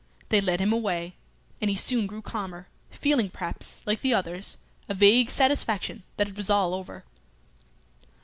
They led him away, and he soon grew calmer, feeling perhaps, like the others, a vague satisfaction that it was all over.